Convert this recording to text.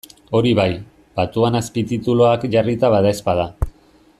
Hori bai, batuan azpitituluak jarrita badaezpada.